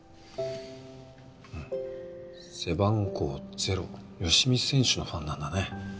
背番号０ヨシミ選手のファンなんだね。